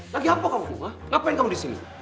lagi hampa kamu ngapain kamu disini